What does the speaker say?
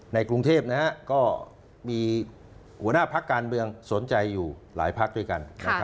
ในกรุงเทพก็มีหัวหน้าพักการเมืองสนใจอยู่หลายพักด้วยกัน